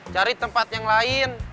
cari tempat yang lain